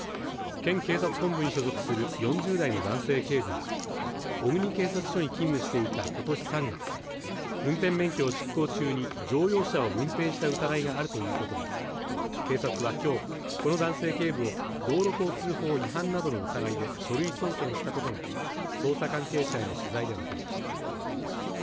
県警察本部に所属する４０代の男性警部は小国警察署に勤務していたことし３月運転免許を失効中に乗用車を運転した疑いがあるということで警察は、きょう、この男性警部を道路交通法違反などの疑いで書類送検したことが捜査関係者への取材で分かりました。